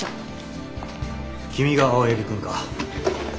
君が青柳君か。